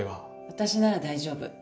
私なら大丈夫。